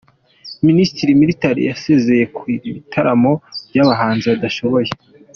Minisitiri Mitali yasezeye ku bitaramo bya bahanzi badashoboye